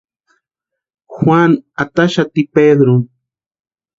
Juanu ataxati Pedruni.